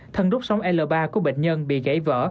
thân rút sóng l ba của bệnh nhân bị gãy vỡ